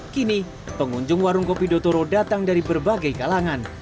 kini pengunjung warung kopi dotoro datang dari berbagai kalangan